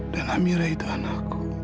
dan amira itu anakku